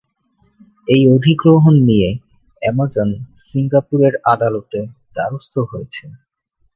এই অধিগ্রহণ নিয়ে অ্যামাজন সিঙ্গাপুরের আদালতের দ্বারস্থ হয়েছে।